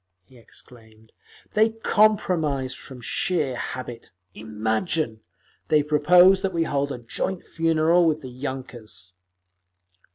he exclaimed. "They compromise from sheer habit. Imagine! They proposed that we hold a joint funeral with the _yunkers!"